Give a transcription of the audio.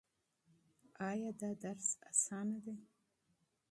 ایا دا درس اسانه دی؟